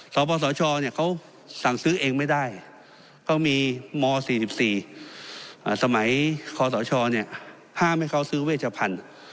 สปสชเขาสั่งซื้อเองไม่ได้เขามีม๔๔สมัยคศห้ามให้เขาซื้อเวชพันธุ์